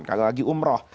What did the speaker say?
kalau lagi umroh